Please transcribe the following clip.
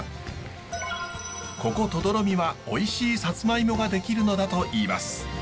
ここ止々呂美はおいしいサツマイモが出来るのだといいます。